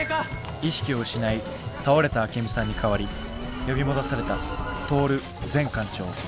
意識を失い倒れたアケミさんに代わり呼び戻されたトオル前艦長。